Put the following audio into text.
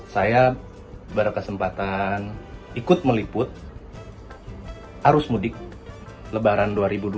saya berkesempatan ikut meliput arus mudik lebaran dua ribu dua puluh